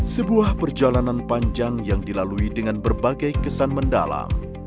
sebuah perjalanan panjang yang dilalui dengan berbagai kesan mendalam